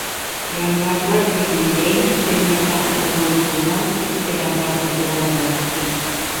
Януарҙар сигенгәйне, көньяҡҡа асылған юлдан китте лә барҙы боландар.